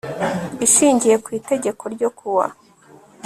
Ishingiye ku Itegeko ryo kuwa